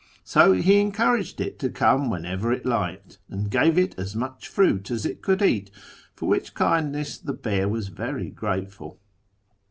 So he encouraged it to come whenever it liked, and gave it as much fruit as it could eat, for which kindness the bear was very grateful.